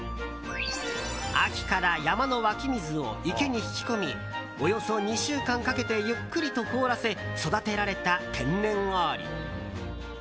秋から山の湧き水を池に引き込みおよそ２週間かけて、ゆっくりと凍らせ育てられた天然氷。